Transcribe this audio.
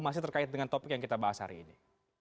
masih terkait dengan topik yang kita bahas hari ini